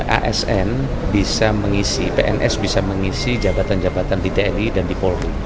asn bisa mengisi pns bisa mengisi jabatan jabatan di tni dan di polri